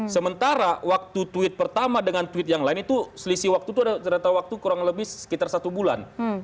sementara waktu tweet pertama dengan tweet yang lain itu selisih waktu itu ada ternyata waktu kurang lebih sekitar satu bulan